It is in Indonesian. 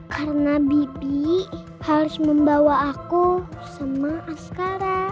karena bibi harus membawa aku sama askara